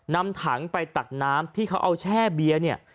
นำถังไปตักน้ำที่เขาเอาแช่เบียร์เนี่ย